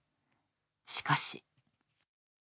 しかし。